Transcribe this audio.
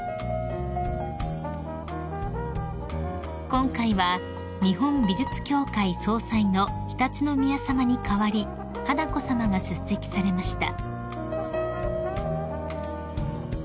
［今回は日本美術協会総裁の常陸宮さまに代わり華子さまが出席されました］